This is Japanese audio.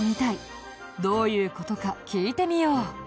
どういう事か聞いてみよう。